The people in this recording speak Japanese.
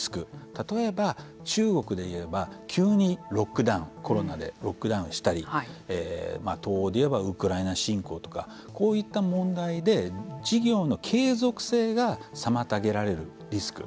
例えば中国でいえば急にコロナでロックダウンしたり東欧でいえばウクライナ侵攻とかこういった問題で事業の継続性が妨げられるリスク。